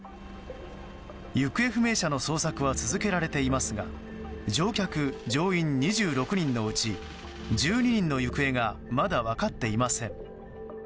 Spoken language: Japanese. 行方不明者の捜索は続けられていますが乗客・乗員２６人のうち１２人の行方がまだ分かっていません。